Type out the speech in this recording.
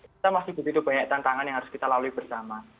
kita masih begitu banyak tantangan yang harus kita lalui bersama